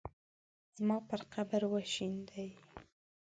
زما پر قبر شیندي